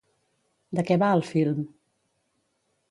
De què va el film?